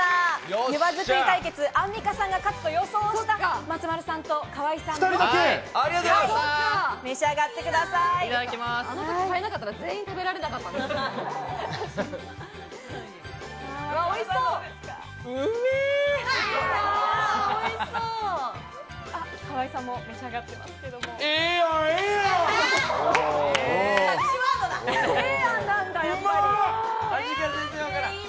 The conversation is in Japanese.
ゆば作り対決、アンミカさんが勝つと予想した松丸さんと河井さん、召し上がってください。